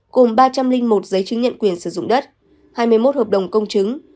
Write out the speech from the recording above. cùng ba trăm linh một giấy chứng nhận quyền sử dụng đất hai mươi một hợp đồng công chứng